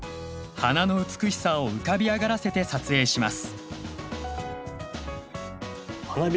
花の美しさを浮かび上がらせて撮影します。